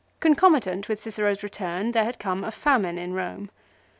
Concomitant with Cicero's return there had come a famine in Eome.